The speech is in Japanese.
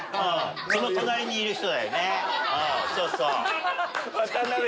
その隣にいる人だよねそうそう。